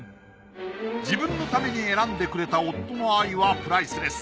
自分のために選んでくれた夫の愛はプライスレス。